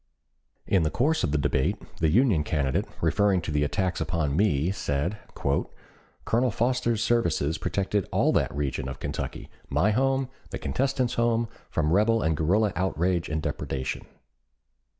In the course of the debate, the Union candidate, referring to the attacks upon me, said: "Colonel Foster's services protected all that region of Kentucky, my home, the contestant's home, from rebel and guerrilla outrage and depredation.